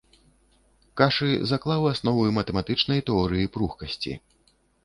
Кашы заклаў асновы матэматычнай тэорыі пругкасці.